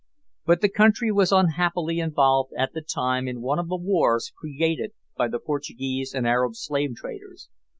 But the country was unhappily involved at the time in one of the wars created by the Portuguese and Arab slave traders.